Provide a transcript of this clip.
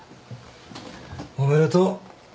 おめでとう。